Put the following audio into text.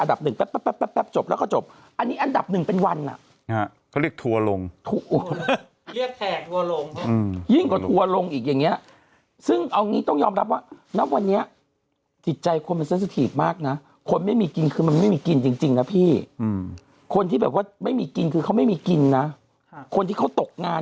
อันดับหนึ่งนานด้วยไม่ใช่อันดับหนึ่งแป๊บนะ